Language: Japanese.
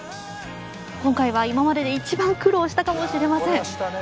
今回は今までで一番苦労したかもしれません。